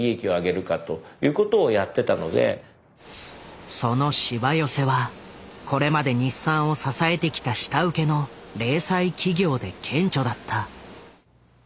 もう少しそのしわ寄せはこれまで日産を支えてきた下請けの零細企業で顕著だった。